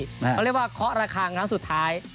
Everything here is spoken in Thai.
เรียกเล่วว่าเคาะระข่างทั้งสุดท้าย